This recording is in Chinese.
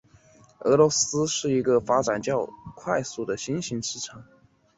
俄罗斯是一个发展快速的新型市场。